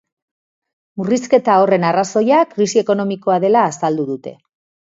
Murrizketa horren arrazoia krisi ekonomikoa dela azaldu dute.